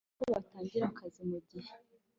Mbere y uko batangira akazi mu gihe